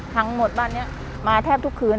ทั้งหมดบ้านนี้มาแทบทุกคืน